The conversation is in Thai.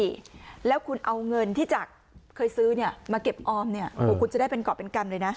ถ้าแบบนี้แล้วคุณเอาเงินที่จากเคยซื้อมาเก็บออมคุณจะได้เป็นเกราะเป็นกรรมเลยนะ